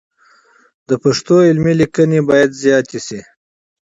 د پښتو علمي لیکنې باید زیاتې سي.